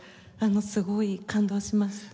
すごい感動しました。